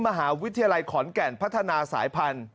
มหาวิทยาลัยขอนแก่นพัฒนาสายพันธุ